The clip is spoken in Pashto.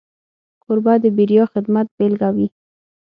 کوربه د بېریا خدمت بيلګه وي.